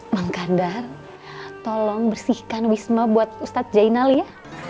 mengkandar tolong bersihkan wisma buat ustadz zainal ya